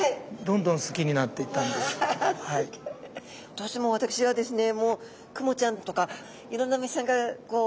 どうしても私はですね